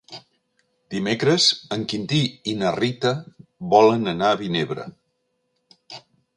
Dimecres en Quintí i na Rita volen anar a Vinebre.